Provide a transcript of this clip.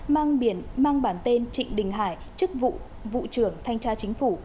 mang bản tên trịnh đình hải chức vụ vụ trưởng thanh tra chính phủ